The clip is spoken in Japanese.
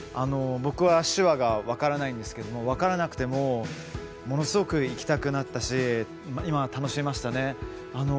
僕は手話が分からないんですけど分からなくてもものすごく行きたくなったし今、楽しみましたね。